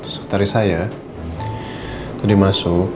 sekretaris saya tadi masuk